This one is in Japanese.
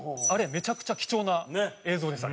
めちゃくちゃ貴重な映像です。